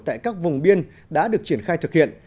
tại các vùng biên đã được triển khai thực hiện